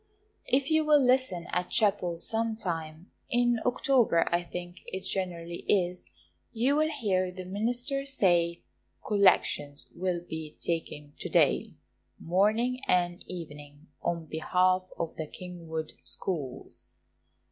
If you will listen at chapel some time in October I think it generally is you will hear the minister say: "Collections will be taken to day, morning and evening, on behalf of the Kingswood Schools."